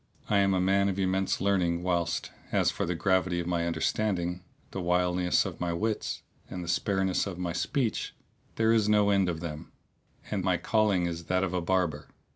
I am a man of immense learning whilst, as for the gravity of my understanding, the wiliness of my wits and the spareness of my speech, there is no end of them; and my calling is that of a barber.